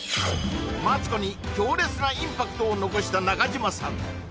マツコに強烈なインパクトを残した中島さん